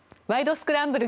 スクランブル」